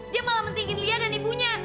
dia malah mentingin lia dan ibunya